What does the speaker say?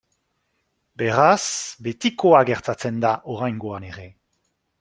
Beraz, betikoa gertatzen da oraingoan ere.